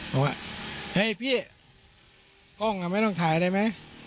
บอกว่าเฮ้ยพี่กล้องไม่ต้องถ่ายได้ไหม